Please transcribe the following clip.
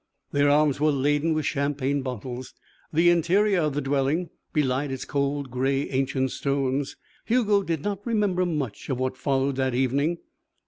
Their arms were laden with champagne bottles. The interior of the dwelling belied its cold, grey, ancient stones. Hugo did not remember much of what followed that evening.